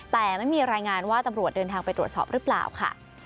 แต่ไม่มีรายงานว่าตำรวจเดินทางไปตรวจสอบหรือเปล่าค่ะ